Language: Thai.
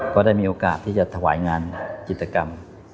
ก็ได้มีโอกาสที่จะถวายงานจิตกรรม